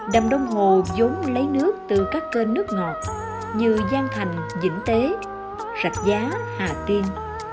đầm đông hồ giống lấy nước từ các cơn nước ngọt như giang thành vĩnh tế rạch giá hạ tiên